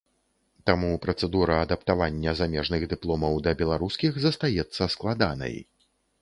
Таму працэдура адаптавання замежных дыпломаў да беларускіх застаецца складанай.